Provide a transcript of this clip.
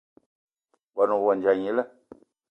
Ngón ohandja gnila